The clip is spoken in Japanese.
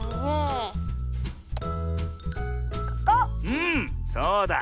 うんそうだ。